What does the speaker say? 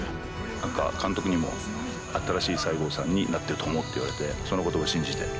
何か監督にも新しい西郷さんになっていると思うって言われてその言葉信じて。